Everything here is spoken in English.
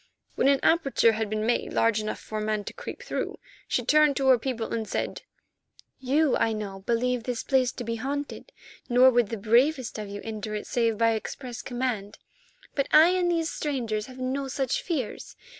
When an aperture had been made large enough for a man to creep through, she turned to her people and said: "You, I know, believe this place to be haunted, nor would the bravest of you enter it save by express command. But I and these strangers have no such fears.